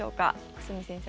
久住先生